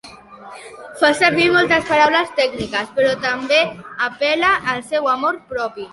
Fa servir moltes paraules tècniques, però també apel·la al seu amor propi.